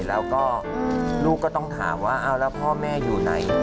แล้วก็ลูกก็ต้องถามว่าเอาแล้วพ่อแม่อยู่ไหน